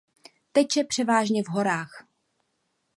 Teče převážně v horách.